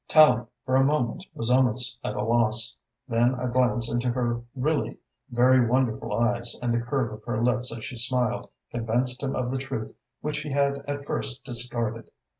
Tallente for a moment was almost at a loss. Then a glance into her really very wonderful eyes, and the curve of her lips as she smiled convinced him of the truth which he had at first discarded.